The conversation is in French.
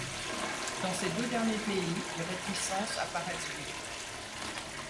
Dans ces deux derniers pays, des réticences apparaissent vite.